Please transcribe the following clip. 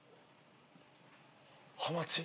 ハマチ？